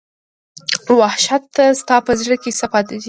وحشته ستا په زړه کې څـه پاتې دي